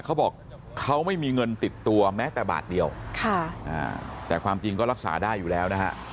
เขาบอกเขาไม่มีเงินติดตัวแม้แต่บาทเดียวแต่ความจริงก็รักษาได้อยู่แล้วนะฮะ